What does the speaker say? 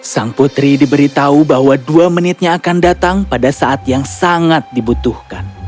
sang putri diberitahu bahwa dua menitnya akan datang pada saat yang sangat dibutuhkan